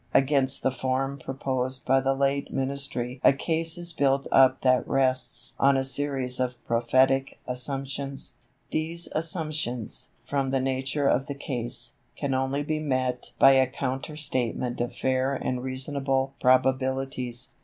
Against the form proposed by the late Ministry a case is built up that rests on a series of prophetic assumptions. These assumptions, from the nature of the case, can only be met by a counter statement of fair and reasonable probabilities.